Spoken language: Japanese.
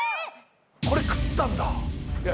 これ食ったんだ。